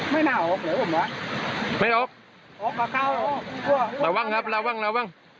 ไม่น่าอบเหลือผมวะไม่อบอบกระเกาะระวังครับระวังระวัง